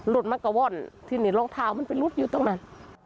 รถมันก็ว่อนทีนี้รองเท้ามันไปหลุดอยู่ตรงนั้น